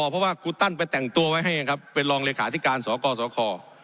เพราะว่าครูตั้นไปแต่งตัวไว้ให้เองครับเป็นรองเลขาธิการสกสค